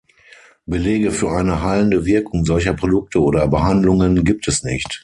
Belege für eine heilende Wirkung solcher Produkte oder Behandlungen gibt es nicht.